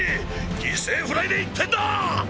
犠牲フライで１点だ！